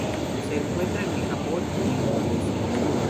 Se encuentra en el Japón y Indonesia.